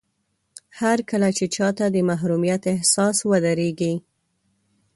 هرکله چې چاته د محروميت احساس ودرېږي.